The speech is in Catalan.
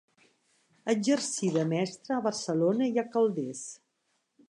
Exercí de mestre a Barcelona i a Calders.